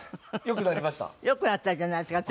良くなったんじゃないですか？